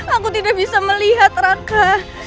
aku tidak bisa melihat raka